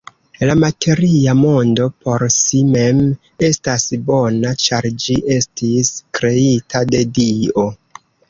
La materia mondo, por si mem, estas bona, ĉar ĝi estis kreita de Dio.